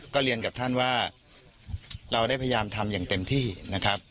ก็เรียนกับท่านว่าเราได้พยายามทำอย่างเต็มที่นะครับ